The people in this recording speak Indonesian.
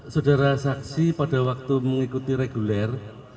saudara saksi pada waktu mengikuti reguler